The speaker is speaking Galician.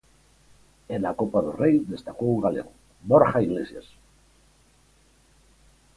E na copa do Rei destacou un galego, Borja Iglesias.